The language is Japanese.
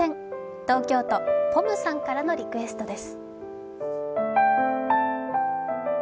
東京都・ぽむさんからのリクエストです。